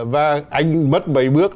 và anh mất mấy bước